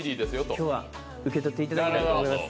今日は受け取っていただきたいと思います。